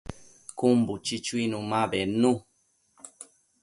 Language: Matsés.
Cun buchi chuinu ma bednu